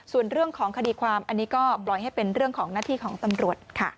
ส่วนเรื่องของคดีความอันนี้ก็ปล่อยให้เป็นเรื่องของหน้าที่ของตำรวจค่ะ